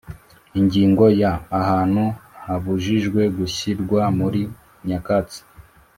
Ingingo ya ahantu habujijwe gushyirwa muri nyakatsi